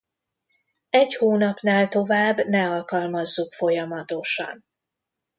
Egy hónapnál tovább ne alkalmazzuk folyamatosan.